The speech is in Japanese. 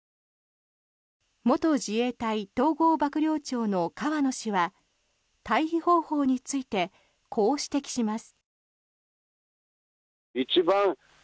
元自衛隊統合幕僚長の河野氏は退避方法についてこう指摘します。